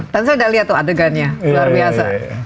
tentu saja udah lihat tuh adegannya luar biasa